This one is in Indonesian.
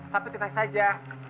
tapi tidak saja